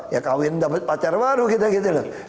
ya kawin dapat pacar baru kita gitu loh